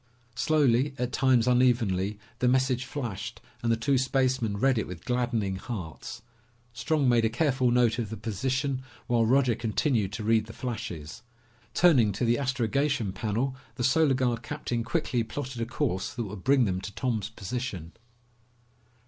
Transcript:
Slowly, at times unevenly, the message flashed and the two spacemen read it with gladdening hearts. Strong made a careful note of the position while Roger continued to read the flashes. Turning to the astrogation panel, the Solar Guard captain quickly plotted a course that would bring them to Tom's position.